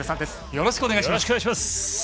よろしくお願いします。